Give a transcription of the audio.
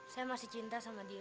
saya masih cinta sama dia